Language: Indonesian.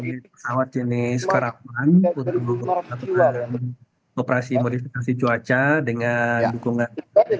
ini pesawat jenis karatman untuk melakukan operasi modifikasi cuaca dengan dukungan